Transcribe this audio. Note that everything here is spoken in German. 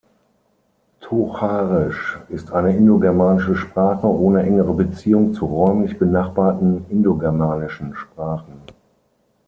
Tocharisch ist eine indogermanische Sprache ohne engere Beziehung zu räumlich benachbarten indogermanischen Sprachen.